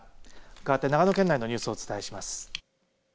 かわって長野県のニュースをお伝えします。